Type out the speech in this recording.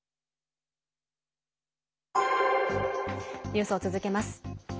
ニュースを続けます。